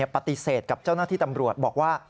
ปฏิเสธกับเจ้าหน้าที่ตำรวจบอกว่า